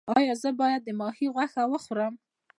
ایا زه باید د ماهي غوښه وخورم؟